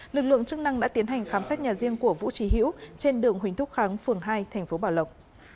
lực lượng chức năng đã tiến hành khám sát nhà riêng của vũ trì hữu trên đường huỳnh thúc kháng phường hai thành phố bảo lộc